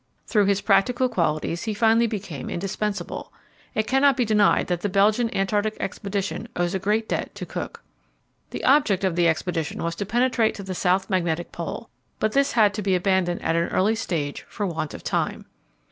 Through his practical qualities he finally became indispensable. It cannot be denied that the Belgian Antarctic expedition owes a great debt to Cook. The object of the expedition was to penetrate to the South Magnetic Pole, but this had to be abandoned at an early stage for want of time.